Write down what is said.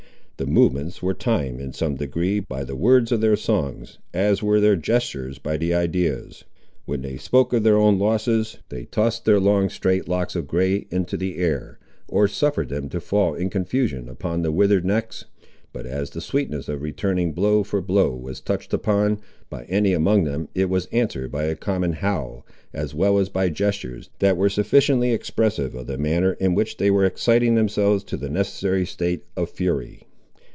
The movements were timed, in some degree, by the words of their songs, as were their gestures by the ideas. When they spoke of their own losses, they tossed their long straight locks of grey into the air, or suffered them to fall in confusion upon their withered necks; but as the sweetness of returning blow for blow was touched upon, by any among them, it was answered by a common howl, as well as by gestures, that were sufficiently expressive of the manner in which they were exciting themselves to the necessary state of fury.